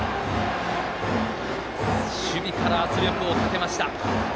守備から圧力をかけました。